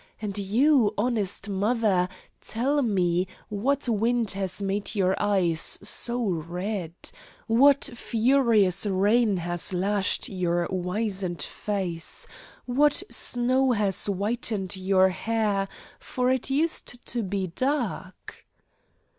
And you, honest mother, tell me, what wind has made your eyes so red? What furious rain has lashed your wizened face? What snow has whitened your hair, for it used to be dark?"